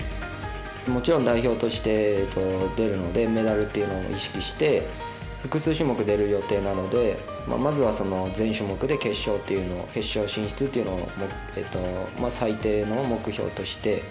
もちろん代表として出るのでメダルというのを意識して複数種目に出る予定なのでまずは全種目で決勝進出を最低の目標として。